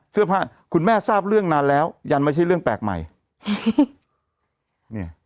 เสื้อผ้าคุณแม่ทราบเรื่องนานแล้วยันไม่ใช่เรื่องแปลกใหม่เนี่ย